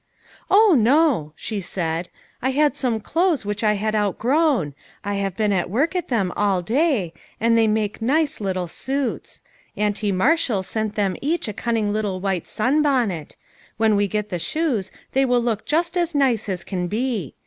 " O no," she said ;" I had some clothes which I had outgrown ; I have been at work at them all day, and they make nice little suits. Auntie Marshall sent them each a cunning little white sun bonnet. When we get the shoes, they will look just as nice as can be.